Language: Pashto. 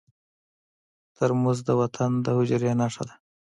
ترموز د وطن د حجرې نښه ده.